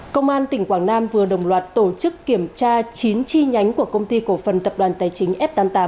công an tỉnh quảng nam vừa đồng loạt tổ chức kiểm tra chín chi nhánh của công ty cổ phần tập đoàn tài chính f tám mươi tám